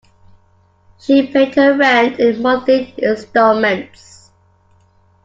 She paid her rent in monthly instalments